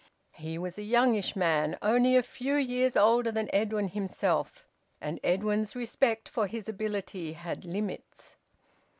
He was a youngish man, only a few years older than Edwin himself, and Edwin's respect for his ability had limits.